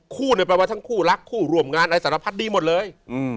คู่นี่แปลว่าทั้งคู่รักคู่ร่วมงานอะไรสำหรับภัทรดีหมดเลย